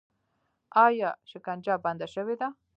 آیا شکنجه بنده شوې ده؟